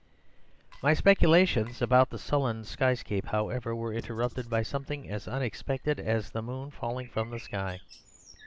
"My speculations about the sullen skyscape, however, were interrupted by something as unexpected as the moon falling from the sky.